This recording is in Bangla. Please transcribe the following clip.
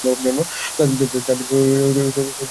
তাদের জীবনটা নষ্ট করতে বলছো?